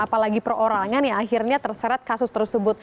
apalagi perorangan yang akhirnya terseret kasus tersebut